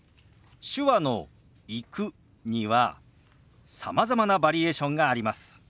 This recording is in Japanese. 手話の「行く」にはさまざまなバリエーションがあります。